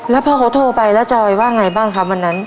แล้วพอเขาโทรไปแล้วจอยว่าอย่างไรบ้างคะวันนั้น